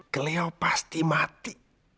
keliau pasti mati